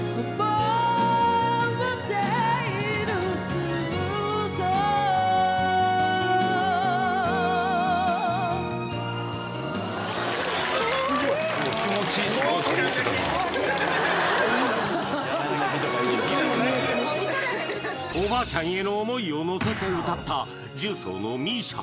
ずっとおばあちゃんへの想いをのせて歌った十三のＭＩＳＩＡ